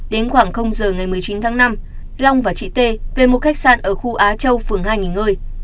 đến khoảng giờ ngày một mươi chín tháng năm long và chị t về một khách sạn ở khu á châu phường hai nghỉ ngơi